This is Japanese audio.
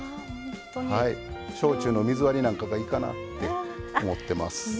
焼酎の水割りなんかがいいかなって思ってます。